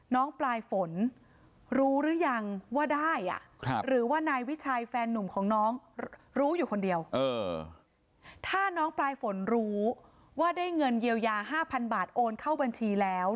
น้องปลายฝนรู้หรือยังว่าได้หรือว่านายวิชัยแฟนนุ่มของน้องรู้อยู่คนเดียวถ้าน้องปลายฝนรู้ว่าได้เงินเยียวยา๕๐๐บาทโอนเข้าบัญชีแล้ว